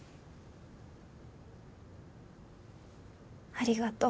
ありがとう。